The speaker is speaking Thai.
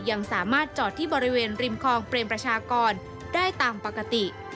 ยังสามารถจอดที่บริเวณริมคลองเปรมประชากรได้ตามปกติ